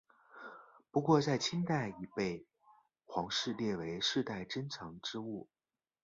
不过在清代已被皇室列为世代珍藏之物。